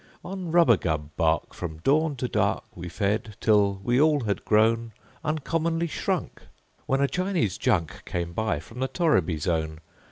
On rubagub bark, from dawn to dark, We fed, till we all had grown Uncommonly shrunk, when a Chinese junk Came by from the torriby zone.